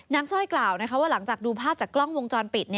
สร้อยกล่าวว่าหลังจากดูภาพจากกล้องวงจรปิด